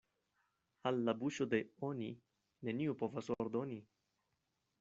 Al la buŝo de "oni" neniu povas ordoni.